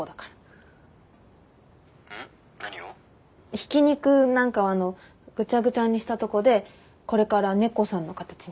ひき肉なんかをあのぐちゃぐちゃにしたとこでこれから猫さんの形に。